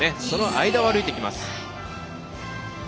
その間を歩いてきます。